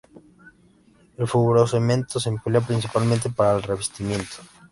El fibrocemento se emplea principalmente para el revestimiento.